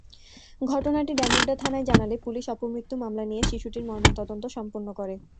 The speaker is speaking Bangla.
ঘটনাটি ডামুড্যা থানায় জানালে পুলিশ অপমৃত্যু মামলা নিয়ে শিশুটির ময়নাতদন্ত সম্পন্ন করে।